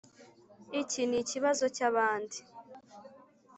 iki nikibazo cyabandi.